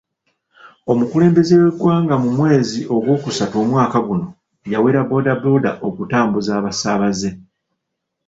Omukulembeze w'eggwanga mu mwezi gw'okusatu omwaka guno yawera boda boda okutambuza abasaabaze.